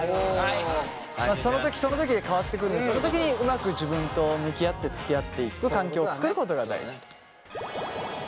そのときそのときで変わってくるのでそのときにうまく自分と向き合ってつきあっていく環境を作ることが大事。